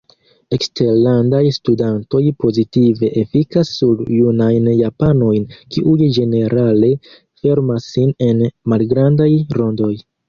Eksterlandaj studantoj pozitive efikas sur junajn japanojn, kiuj ĝenerale fermas sin en malgrandaj rondoj.